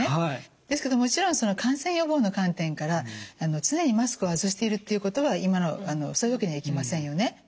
ですけどもちろん感染予防の観点から常にマスクを外しているということは今そういうわけにはいきませんよね。